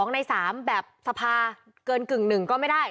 ใน๓แบบสภาเกินกึ่งหนึ่งก็ไม่ได้